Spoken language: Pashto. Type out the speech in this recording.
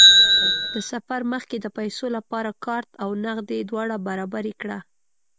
د سفر مخکې د پیسو لپاره کارت او نغدې دواړه برابرې کړه.